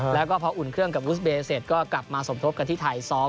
แล้วก็พออุ่นเครื่องกับอุสเบย์เสร็จก็กลับมาสมทบกันที่ไทยซ้อม